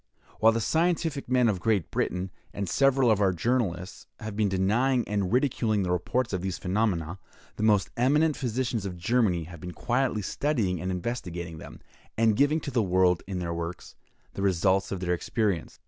While the scientific men of Great Britain, and several of our journalists, have been denying and ridiculing the reports of these phenomena, the most eminent physicians of Germany have been quietly studying and investigating them, and giving to the world, in their works, the results of their experience.